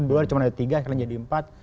dua cuma ada tiga sekarang jadi empat